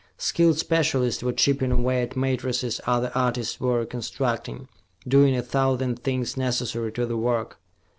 Skilled specialists were chipping away at matrices other artists were reconstructing, doing a thousand things necessary to the work.